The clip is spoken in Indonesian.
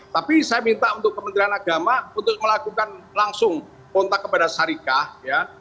tapi saya minta untuk kementerian agama untuk melakukan langsung kontak kepada syarikah ya